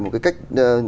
một cái cách